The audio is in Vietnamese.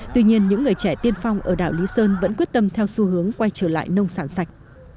tuy nhiên những người trẻ tiên phong ở đảo lý sơn vẫn quyết tâm theo xu hướng quay trở lại nông sản sạch